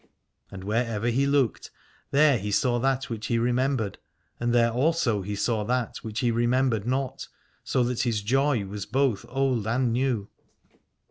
And wherever he looked, there he saw that which he remembered, and there also he saw that which he remembered not, so that his joy was both old and new.